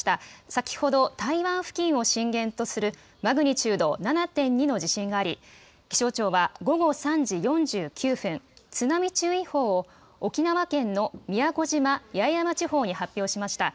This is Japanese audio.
先ほど台湾付近を震源とするマグニチュード７．２の地震があり気象庁は午後３時４９分津波注意報を沖縄県の宮古島・八重山地方に発表しました。